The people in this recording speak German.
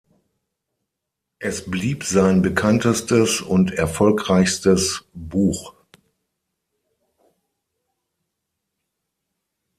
Es blieb sein bekanntestes und erfolgreichstes Buch.